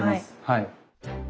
はい。